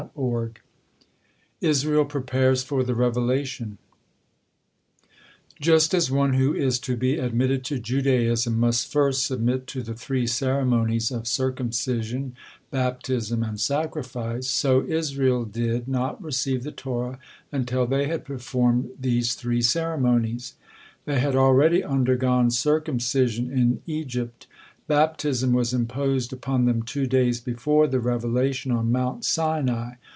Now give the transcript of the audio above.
ISRAEL PREPARES FOR THE REVELATION Just as one who is to be admitted to Judaism must first submit to the three ceremonies of circumcision, baptism, and sacrifice, so Israel did not receive the Torah until they had performed these three ceremonies. They had already undergone circumcision in Egypt. Baptism was imposed upon them two days before the revelation on Mount Sinai.